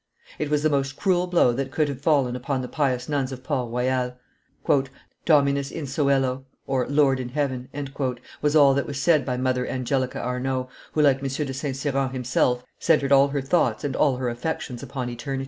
It was the most cruel blow that could have fallen upon the pious nuns of Port Royal. "Dominus in coelo! (Lord in heaven!)" was all that was said by Mother Angelica Arnauld, who, like M. de St. Cyran himself, centred all her thoughts and all her affections upon eternity.